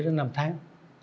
đến năm tháng